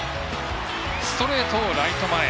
ストレートをライト前。